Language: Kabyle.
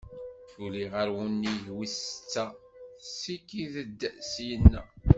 Tuli ɣer wunnig wis-setta, tessikid-d ssyinna.